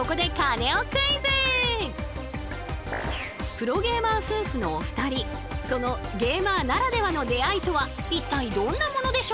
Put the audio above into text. プロゲーマー夫婦のお二人そのゲーマーならではの出会いとは一体どんなものでしょう？